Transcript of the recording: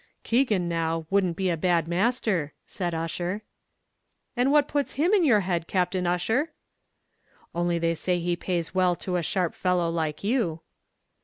"Keegan, now, wouldn't be a bad master," said Ussher. "And what puts him in your head, Captain Ussher?" "Only they say he pays well to a sharp fellow like you."